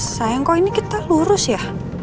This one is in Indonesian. sayang kok ini kita lurus ya